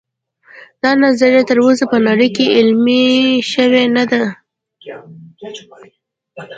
دا نظریه تر اوسه په نړۍ کې عملي شوې نه ده